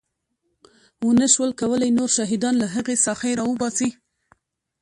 ونه شول کولی نور شهیدان له هغې ساحې راوباسي.